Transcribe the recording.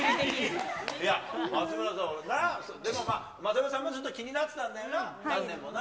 いや、松村さんもな、でもまあ、松村さんもずっと気になってたんだよな、何年もな。